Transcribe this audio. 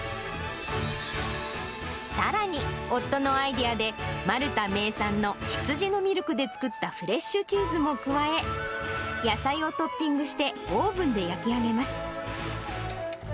さらに夫のアイデアで、マルタ名産の羊のミルクで作ったフレッシュチーズも加え、野菜をトッピングしてオーブンで焼き上げます。